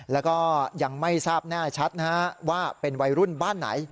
แล้วก็ยังไม่ทราบแน่ชัดนะฮะว่าเป็นวัยรุ่นบ้านไหน